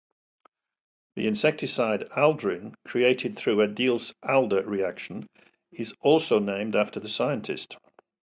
The insecticide aldrin, created through a Diels-Alder reaction, is also named after the scientist.